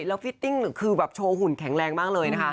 แล้วฟิตติ้งคือแบบโชว์หุ่นแข็งแรงมากเลยนะคะ